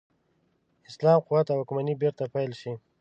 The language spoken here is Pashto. اسلام قوت او واکمني بیرته پیل شي.